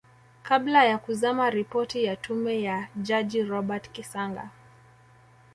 kabla ya kuzama Ripoti ya Tume ya Jaji Robert Kisanga